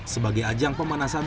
sebagai ajang pemanasan